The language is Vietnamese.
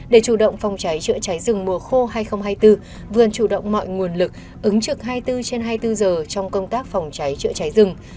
để chủ động phòng cháy chữa cháy rừng mùa khô hai nghìn hai mươi bốn vừa chủ động mọi nguồn lực ứng trực hai mươi bốn trên hai mươi bốn giờ trong công tác phòng cháy chữa cháy rừng